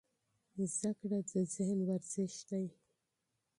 زده کړه د ذهن ورزش دی.